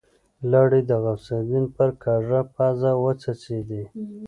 لاړې د غوث الدين پر کږه پزه وڅڅېدې.